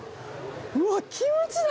うわっキムチだ！